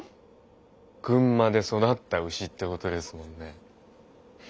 群馬で育った牛ってことですもんね。